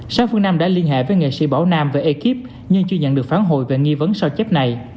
sáng phương nam đã liên hệ với nghệ sĩ bảo nam và ekip nhưng chưa nhận được phán hồi về nghi vấn sau chép này